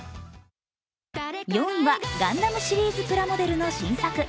４位はガンダムシリーズプラモデルの新作。